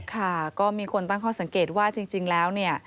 ค่ะก็มีคนตั้งข้อสังเกตว่าจริงแล้วเนี่ย